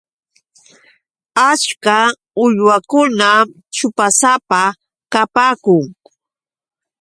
Achka uywakunam ćhupasapa kapaakun.